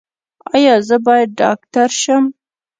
ایا زه باید ډاکټر شم؟